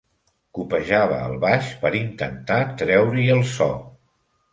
Copejava el baix per intentar treure-hi el so.